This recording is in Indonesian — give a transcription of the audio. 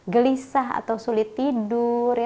gelisah atau sulit tidur